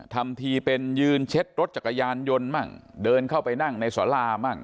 สามทีเป็นยืนเช็ดรถจักรยานยนต์บ้างเดินเข้าไปนั่งในสลาบบ้าง